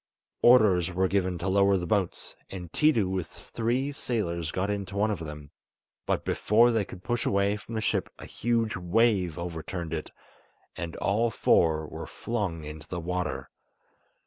Orders were given to lower the boats, and Tiidu with three sailors got into one of them, but before they could push away from the ship a huge wave overturned it, and all four were flung into the water.